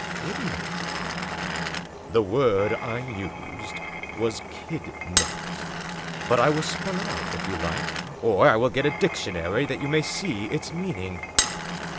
" "Kidnaped?" "The word I used was 'kidnaped.' But I will spell it if you like. Or I will get a dictionary, that you may see its meaning."